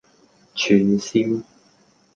串燒